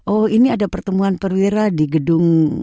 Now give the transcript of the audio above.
oh ini ada pertemuan perwira di gedung